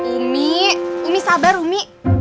umi umi sabar umi